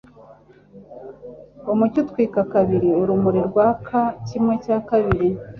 Umucyo utwika kabiri urumuri rwaka kimwe cya kabiri.